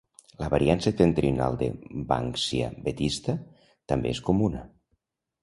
La variant septentrional de "Banksia vetista" també és comuna.